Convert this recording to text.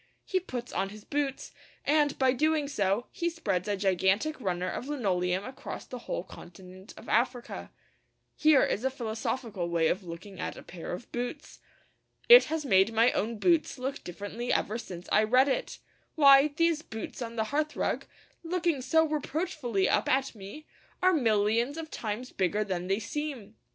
He puts on his boots, and, by doing so, he spreads a gigantic runner of linoleum across the whole continent of Africa. Here is a philosophical way of looking at a pair of boots! It has made my own boots look differently ever since I read it. Why, these boots on the hearthrug, looking so reproachfully up at me, are millions of times bigger than they seem!